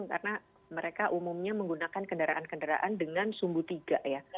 karena mereka umumnya menggunakan kendaraan kendaraan dengan sumbu tiga ya